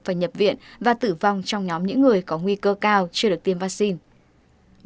phải nhập viện và tử vong trong nhóm những người có nguy cơ cao chưa được tiêm vaccine